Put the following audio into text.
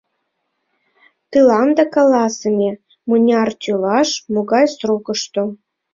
Тыланда каласыме: мыняр тӱлаш, могай срокышто...